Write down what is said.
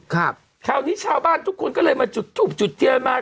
คราวนี้ชาวบ้านทุกคนก็เลยมาจุดทูบจุดเทียนมา